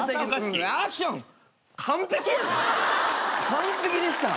完璧でした。